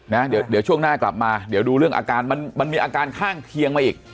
นะเดี๋ยวช่วงหน้ากลับมาเดี๋ยวดูเรื่องอาการมันมันมีอาการข้างเคียงมาอีก